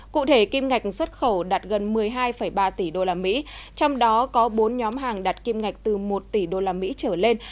cụ thể kim ngạch xuất khẩu đạt gần một mươi hai ba tỷ đô la mỹ trong đó có bốn nhóm hàng đạt kim ngạch từ một tỷ đô la mỹ trở lên